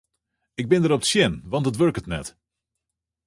Ik bin derop tsjin want it wurket net.